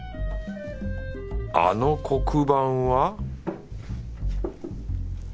あの黒板は？